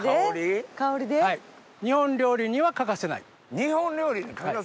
日本料理に欠かせない。